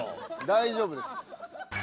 大丈夫です。